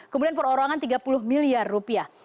kemudian perorangan tiga puluh miliar rupiah